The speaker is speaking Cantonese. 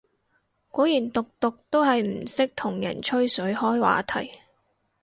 果然毒毒都係唔識同人吹水開話題